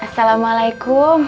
dan kita juga bisa mencari uang